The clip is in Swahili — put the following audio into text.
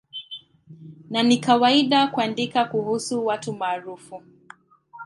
Na ni kawaida kuandika kuhusu watu maarufu.